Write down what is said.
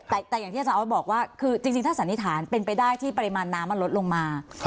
แต่อย่างที่อาจารย์ออสบอกว่าคือจริงถ้าสันนิษฐานเป็นไปได้ที่ปริมาณน้ำมันลดลงมา